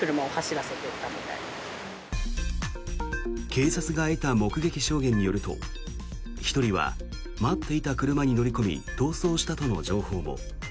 警察が得た目撃証言によると１人は待っていた車に乗り込み逃走したとの情報も。